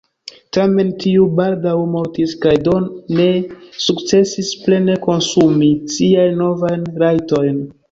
Tamen tiu baldaŭ mortis kaj do ne sukcesis plene konsumi siajn novajn rajtojn.